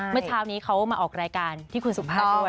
เมื่อเช้านี้เขามาออกรายการที่คุณสุภาพด้วย